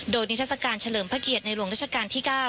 โดยนิทัศกาลเฉลิมพระเกียรติในหลวงราชการที่๙